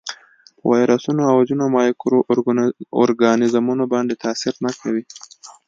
په ویروسونو او ځینو مایکرو ارګانیزمونو باندې تاثیر نه کوي.